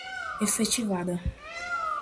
efetivada